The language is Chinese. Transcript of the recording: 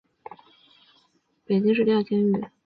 黄光裕现羁押于北京市第二监狱。